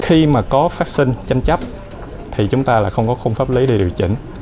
khi mà có phát sinh tranh chấp thì chúng ta lại không có khung pháp lý để điều chỉnh